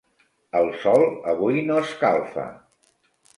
El sol avui no escalfa.